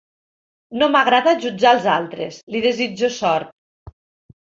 No m'agrada jutjar els altres, li desitjo sort.